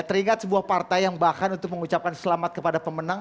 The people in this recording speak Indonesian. teringat sebuah partai yang bahkan untuk mengucapkan selamat kepada pemenang